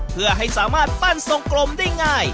เพื่อให้สามารถปั้นทรงกลมได้ง่าย